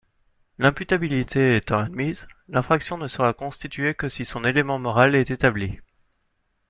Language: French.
L’imputabilité étant admise, l’infraction ne sera constituée que si son élément moral est établi.